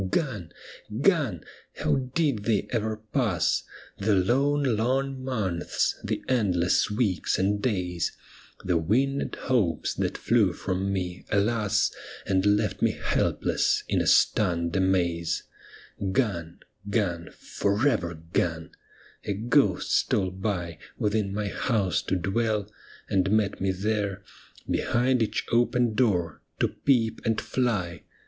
Gone, gone !— how did they ever pass, The lone, long months, the endless weeks and days, The winged hopes that flew from me, alas, And left me helpless in a stunned amaze I Gone, gone, for ever gone !— a ghost stole by Within my house to dwell, and met me there. Behind each open door to peep and fly.